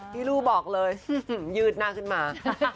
ลู่บอกเลยยืดหน้าขึ้นมา